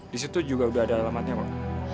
di situ juga udah ada alamatnya pak